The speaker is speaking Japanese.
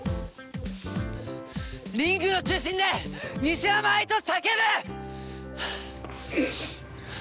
リングの中心で「西山愛」と叫ぶ！